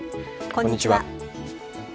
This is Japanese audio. こんにちは。